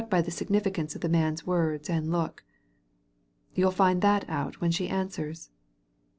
PRAIN, SOLICITOR 87 by the significance of the man's words and look. " You'll find that out when she answers."